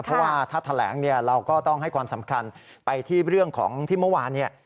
เพราะว่าถ้าแถลงเนี่ยเราก็ต้องให้ความสำคัญไปที่เรื่องของที่เมื่อวานเนี่ย